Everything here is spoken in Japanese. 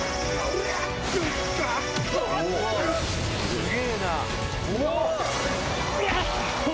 すげぇな。